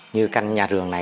như căn nhà rường này